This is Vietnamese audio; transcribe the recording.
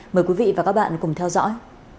mời quý vị và các bạn cùng theo dõi